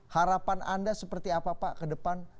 harapan anda seperti apa pak ke depan